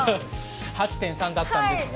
８．３だったんですね。